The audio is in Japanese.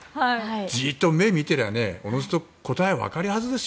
じっと目を見てればおのずと答えわかるはずです。